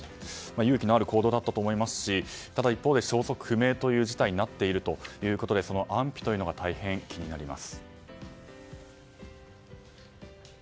勇気のある行動だったと思いますしただ、一方で消息不明という事態になっているということでその安否が大変気になります。